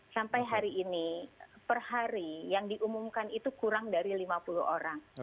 sampai hari ini per hari yang diumumkan itu kurang dari lima puluh orang